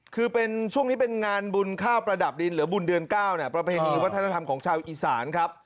คือเป็นช่วงนี้เป็นงานบุญข้าวประดับดินเหลือบุญเดือน๙ประเพณีวัฒนธรรมของชาวอีสานครับ